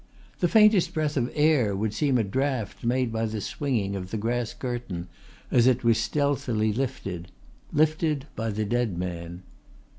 The faintest breath of air would seem a draught made by the swinging of the grass curtain as it was stealthily lifted lifted by the dead man.